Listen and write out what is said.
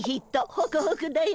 ホクホクだよ。